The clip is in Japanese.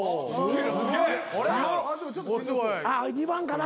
２番かな？